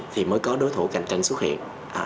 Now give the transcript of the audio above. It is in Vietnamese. thì mới có đối thủ cạnh tranh xuất hiện